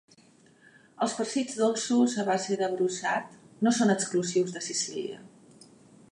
Els farcits dolços a base de brossat no són exclusius de Sicília.